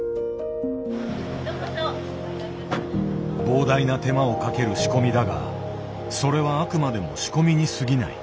膨大な手間をかける仕込みだがそれはあくまでも仕込みにすぎない。